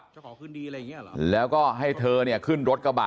ขอคืนดีอะไรอย่างเงี้เหรอแล้วก็ให้เธอเนี่ยขึ้นรถกระบะ